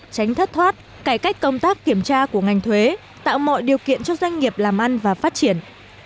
tránh thất thoát cải cách công tác kiểm tra của ngành thuế tạo mọi điều kiện cho doanh nghiệp làm ăn và phát triển